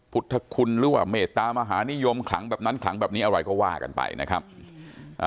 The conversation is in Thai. พุทธคุณหรือว่าเมตตามหานิยมขลังแบบนั้นขลังแบบนี้อะไรก็ว่ากันไปนะครับอ่า